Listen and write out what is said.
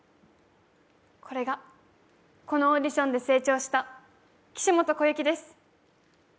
これがこのオーディションで成功した岸本小雪です。